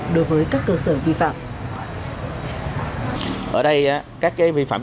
đối với các cơ sở vi phạm